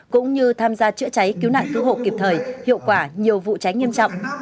cũng như tham gia chữa cháy cứu nạn cứu hộ kịp thời hiệu quả nhiều vụ cháy nghiêm trọng